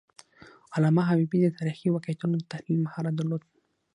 علامه حبیبي د تاریخي واقعیتونو د تحلیل مهارت درلود.